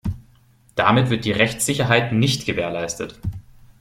Damit wird die Rechtssicherheit nicht gewährleistet.